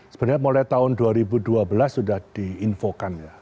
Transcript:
sebenarnya mulai tahun dua ribu dua belas sudah diinfokan ya